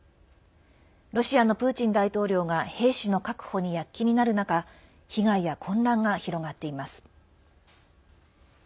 ロシアのプーチン大統領が兵士の確保に躍起になる中被害や混乱が広がっています。